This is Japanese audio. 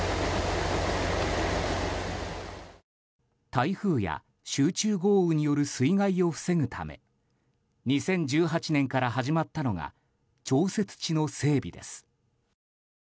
台風や集中豪雨による水害を防ぐため２０１８年から始まったのが調節池の整備です。